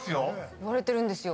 言われてんですよ。